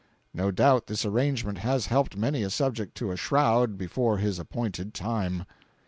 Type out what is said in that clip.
No doubt this arrangement has helped many a subject to a shroud before his appointed time.